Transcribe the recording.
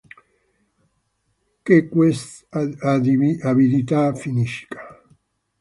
Che quest'avidità finisca.